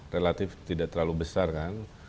relatif tidak terlalu besar kan